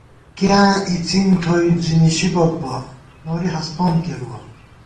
کِیاں اِڅِن تھوئی زی نِشی بوئیک بہ، نوری ہستون کېرُوَہ